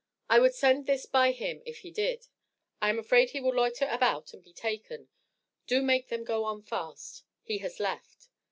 I would send this by him if he did. I am afraid he will loiter about and be taken do make them go on fast he has left.